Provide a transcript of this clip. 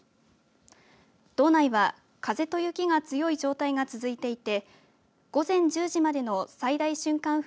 道内は、風と雪が強い状態が続いていて午前１０時までの最大瞬間